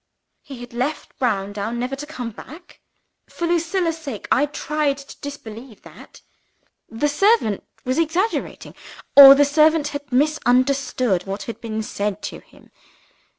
He had left Browndown, never to come back! For Lucilla's sake, I declined to believe that. The servant was exaggerating, or the servant had misunderstood what had been said to him.